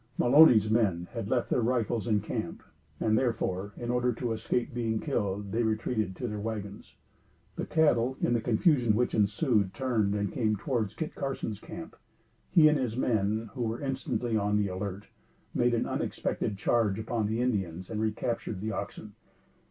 Mulony's men had left their rifles in camp, and therefore, in order to escape being killed, they retreated to their wagons. The cattle, in the confusion which ensued, turned and came towards Kit Carson's camp. He and his men, who were instantly on the alert, made an unexpected charge upon the Indians and recaptured the oxen.